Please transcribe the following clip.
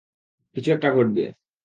কিছু একটা ঘটবে!